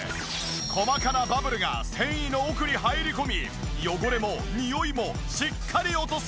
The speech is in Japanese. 細かなバブルが繊維の奥に入り込み汚れもニオイもしっかり落とす！